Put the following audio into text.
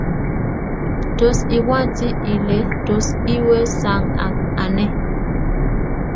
tos ibwoti Ile tos iwe sang ak ane?